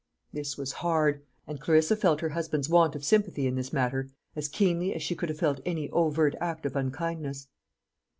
This was hard; and Clarissa felt her husband's want of sympathy in this matter as keenly as she could have felt any overt act of unkindness.